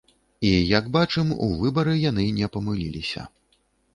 І як бачым, у выбары яны не памыліліся.